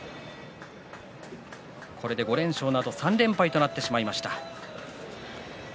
これで５連勝のあと３連敗になってしまいました。